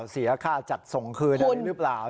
เสียค่าจัดส่งคืนอะไรหรือเปล่า